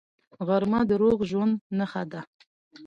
غرمه د روغ ژوند نښه ده